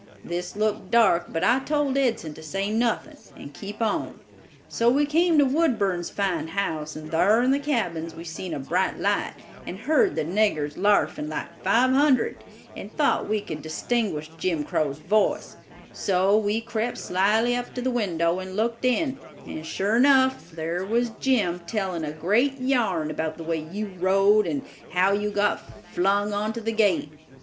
This looked dark, but I told Edson to say nothin' and keep on; so we came to Woodburn's fine house, and thar in the cabins we seen a bright light, and heard the niggers larfin like five hundred, and thought we could distinguish Jim Crow's voice; so we crept slyly up to the window and looked in and, sure enough, there was Jim, telling a great yarn about the way you rode and how you got flung onto the gate.